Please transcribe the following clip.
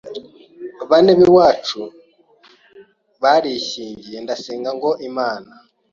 bane b’iwacu barishyingiye ndasenga ngo Imana